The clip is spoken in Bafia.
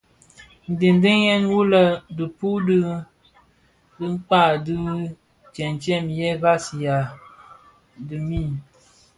Ndhèňdèn wu lè dhipud bi dikag di tëtsem, ye vansina a dhemi,